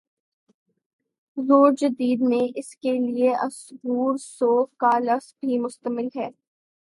دور جدید میں اس کے لیے" اثرورسوخ کا لفظ بھی مستعمل ہے۔